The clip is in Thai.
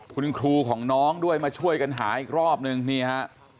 คุณครูของน้องด้วยมาช่วยกันหาอีกรอบนึงนี่ฮะ